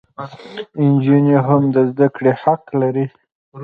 انجونې هم د زدکړي حق لري